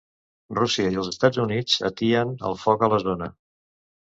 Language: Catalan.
Rússia i els Estats Units atien el foc a la zona